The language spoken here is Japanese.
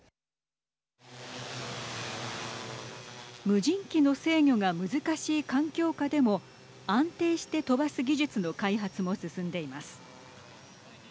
無人機の制御が難しい環境下でも安定して飛ばす技術の開発も進んでいます。